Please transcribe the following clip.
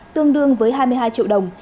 tương đương với hai mươi hai triệu đồng